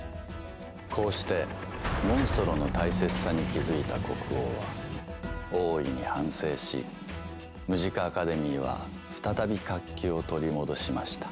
こうしてモンストロの大切さに気付いた国王は大いに反省しムジカ・アカデミーは再び活気を取り戻しました。